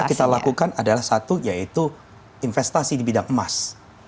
yang kita lakukan adalah satu yaitu investasi di bidang emas